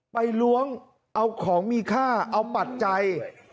ไปล้วงเอาของมีค่าเอาบัตรใจ